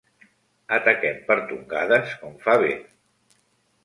Ataquem per tongades, com fa vent.